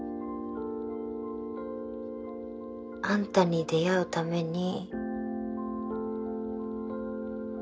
あんたに出会うために。